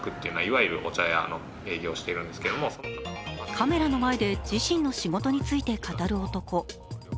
カメラの前で自身の仕事について語る男。